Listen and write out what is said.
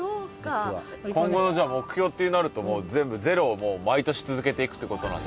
今後の目標ってなると全部ゼロを毎年続けていくってことなんですね。